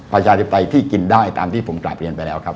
ประชาธิปไตยที่กินได้ตามที่ผมกลับเรียนไปแล้วครับ